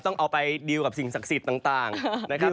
ต้องเอาไปดีลกับสิ่งศักดิ์สิทธิ์ต่างนะครับ